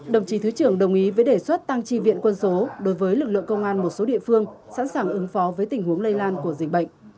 đồng chí thứ trưởng đồng ý với đề xuất tăng tri viện quân số đối với lực lượng công an một số địa phương sẵn sàng ứng phó với tình huống lây lan của dịch bệnh